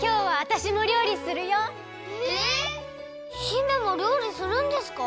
姫もりょうりするんですか？